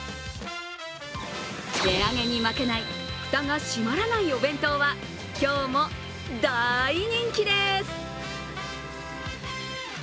値上げに負けないフタが閉まらないお弁当は今日も大人気です。